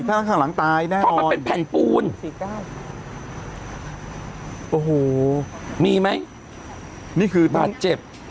ตายแน่อ่อมันเป็นแผ่นปูนสี่ก้านโอ้โหมีไหมนี่คือบาดเจ็บ